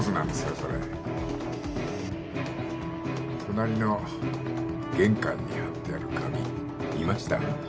それ隣の玄関に貼ってある紙見ました？